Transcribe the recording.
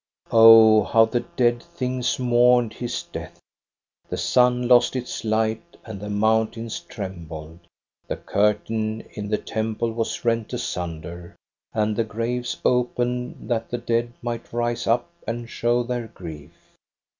' Oh, how the dead things mourned his death! ' The sun lost its light, and the mountains trem bled ; the curtain in the temple was rent asunder, and the graves opened, that the dead might rise up and show their grief.